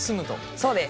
そうです。